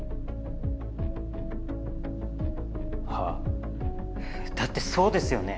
はあ？だってそうですよね？